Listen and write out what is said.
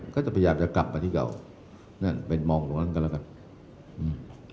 ก็จะพยายามจะกลับมาที่เก่านั่นเป็นมองตรงนั้นกันแล้วกันอืม